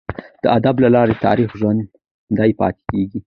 د ادب له لاري تاریخ ژوندي پاته کیږي.